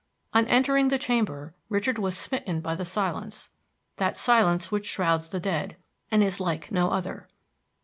On entering the chamber Richard was smitten by the silence, that silence which shrouds the dead, and is like no other.